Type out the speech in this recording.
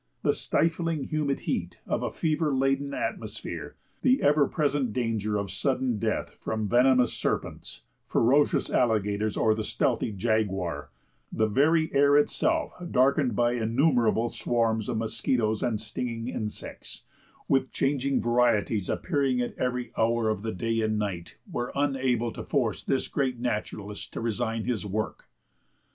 The stifling, humid heat of a fever laden atmosphere, the ever present danger of sudden death from venomous serpents, ferocious alligators, or the stealthy jaguar, the very air itself darkened by innumerable swarms of mosquitoes and stinging insects, with changing varieties appearing at every hour of the day and night, were unable to force this great naturalist to resign his work.